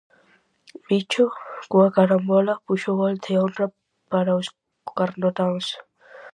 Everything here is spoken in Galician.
Bicho, cunha carambola, puxo o gol de honra para os carnotáns.